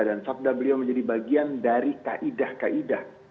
dan sabda beliau menjadi bagian dari kaidah kaidah